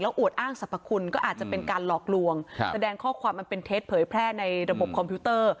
อวดอ้างสรรพคุณก็อาจจะเป็นการหลอกลวงแสดงข้อความมันเป็นเท็จเผยแพร่ในระบบคอมพิวเตอร์